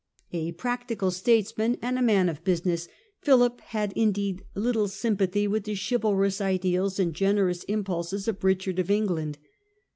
A practical statesman and a man of business, Philip had indeed little sympathy with the chivalrous ideals and generous impulses of Kichard of England.